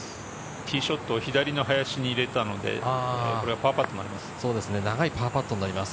ティーショットを左の林に入れたので、これがパーパットです。